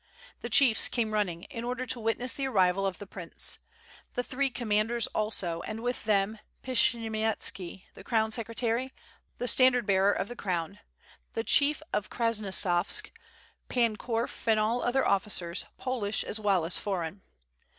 The chiefs came running, in order to witness the arrival of the prince; the three commanders also, and with them Pshhiyemski the crown secretary, the Standard bearer of the crown, the chief of Krasnostavsk, Pan Korf and all other officers, Polish as well as foreign.